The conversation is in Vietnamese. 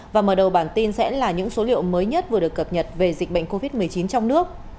và mở đầu bản tin sẽ là những số liệu mới nhất vừa được cập nhật về dịch bệnh covid một mươi chín trong nước